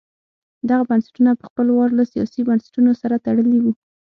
دغه بنسټونه په خپل وار له سیاسي بنسټونو سره تړلي وو.